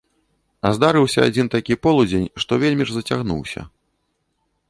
А здарыўся адзін такі полудзень, што вельмі ж зацягнуўся.